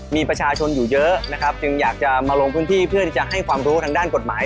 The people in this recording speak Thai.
มีประชาชนอยู่เยอะนะครับจึงอยากจะมาลงพื้นที่เพื่อที่จะให้ความรู้ทางด้านกฎหมาย